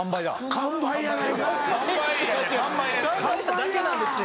完売しただけなんですよ。